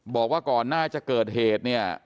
บอกว่าก่อนน่าจะเกิดเหตุ